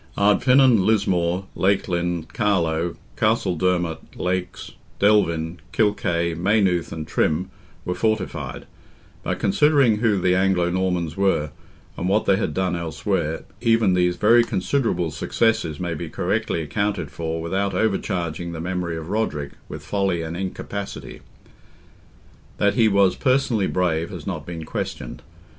Ardfinan, Lismore, Leighlin, Carlow, Castledermot, Leix, Delvin, Kilkay, Maynooth and Trim, were fortified; but considering who the Anglo Normans were, and what they had done elsewhere, even these very considerable successes may be correctly accounted for without overcharging the memory of Roderick with folly and incapacity. That he was personally brave has not been questioned.